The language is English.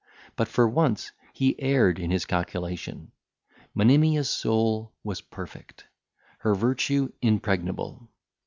But, for once, he erred in his calculation; Monimia's soul was perfect, her virtue impregnable.